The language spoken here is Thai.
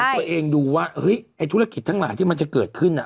ตัวเองดูว่าเฮ้ยไอ้ธุรกิจทั้งหลายที่มันจะเกิดขึ้น